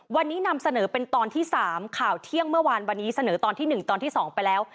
วันนี้นำเสนอเป็นตอนที่๓ข่าวเที่ยงเมื่อวานวันนี้เสนอตอนที่๑ตอนที่๒ไปแล้ว